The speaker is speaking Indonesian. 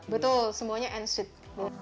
betul semuanya ensuite